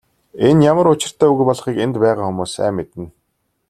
Энэ ямар учиртай үг болохыг энд байгаа хүмүүс сайн мэднэ.